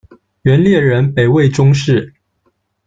元烈人，北魏宗室。